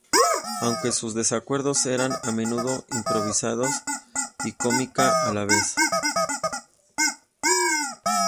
Aunque sus desacuerdos eran a menudo improvisados y cómica a la vez.